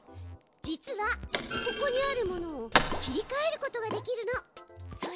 実はここにあるものを切りかえることができるの。